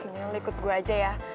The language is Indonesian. ini ikut gue aja ya